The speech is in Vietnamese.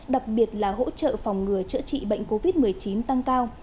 đặc biệt là hỗ trợ phòng ngừa chữa trị bệnh covid một mươi chín tăng cao